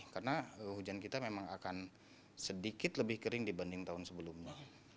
karena hujan kita memang akan sedikit lebih kering dibanding tahun sebelumnya